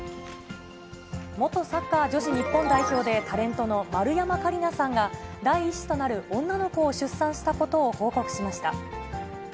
元サッカー女子日本代表でタレントの丸山桂里奈さんが、第１子となる女の子を出産したことを報告しました。